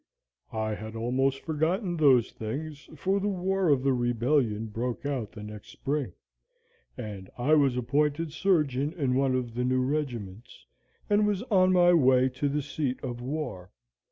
"I had almost forgotten those things, for the war of the Rebellion broke out the next spring, and I was appointed surgeon in one of the new regiments, and was on my way to the seat of war.